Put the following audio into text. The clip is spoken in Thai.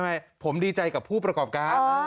ให้ผมดีใจกับผู้ประกอบการ